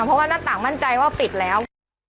เพราะว่าหน้าต่างมั่นใจว่าปิดแล้ว